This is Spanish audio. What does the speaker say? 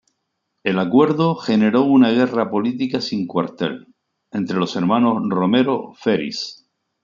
El acuerdo generó una guerra política sin cuartel, entre los hermanos Romero Feris.